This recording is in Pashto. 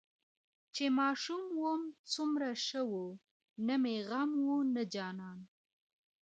چې ماشوم وم سومره شه وو نه مې غم وو نه جانان.